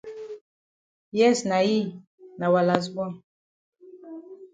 Yes na yi, na wa las bon.